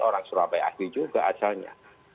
orang surabaya asli juga asalnya